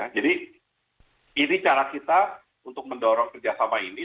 jadi ini cara kita untuk mendorong kerjasama ini